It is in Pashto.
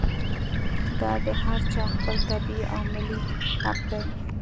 دا د هر چا خپل طبعي او ملي حق دی.